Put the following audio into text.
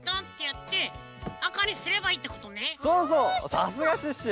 さすがシュッシュ！